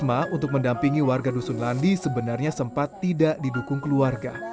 sebenarnya risma untuk mendampingi warga di dusun landi sebenarnya sempat tidak didukung keluarga